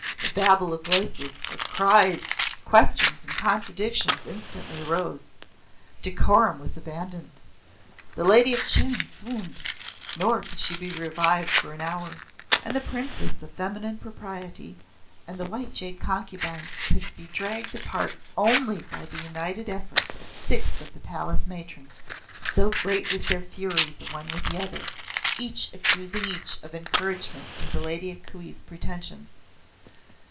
A babel of voices, of cries, questions and contradictions instantly arose. Decorum was abandoned. The Lady of Chen swooned, nor could she be revived for an hour, and the Princess of Feminine Propriety and the White Jade Concubine could be dragged apart only by the united efforts of six of the Palace matrons, so great was their fury the one with the other, each accusing each of encouragement to the Lady A Kuei's pretensions.